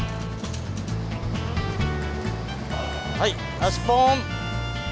はい足ポン。